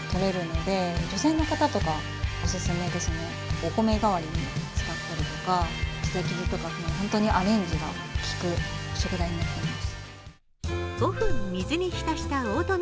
お米代わりに使ったりとか、本当にアレンジが効く食材になってます。